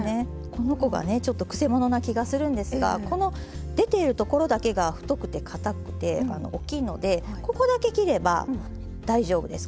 この子がねちょっとくせ者な気がするんですがこの出ているところだけが太くてかたくて大きいのでここだけ切れば大丈夫です。